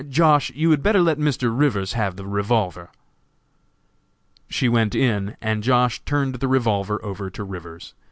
Josh., you had better let Mr. Rivers have the revolver." She went in, and Josh. turned the revolver over to Rivers.